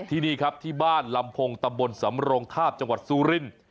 ที่นี่ครับที่บ้านลำพงตำบลสำโรงทาบจังหวัดซูรินทร์